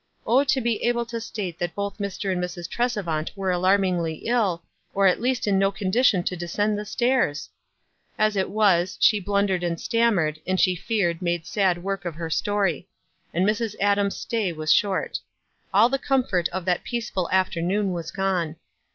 Oh, to be able to state that both Mr. and Mrs. Trcs evant were alarmingly ill, or at least in no con dition to descend the stairs ! As it was, she blundered and stammered, and she feared, made sad work of her story ; and Mrs. Adams' stay was short. All the comfort of that peaceful afternoon was gone.